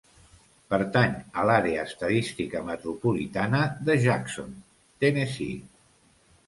Pertany a l'àrea estadística metropolitana de Jackson, Tennesse.